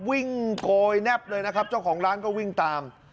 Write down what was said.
โกยแนบเลยนะครับเจ้าของร้านก็วิ่งตาม